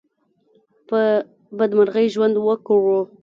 په بدمرغي ژوند وکړو.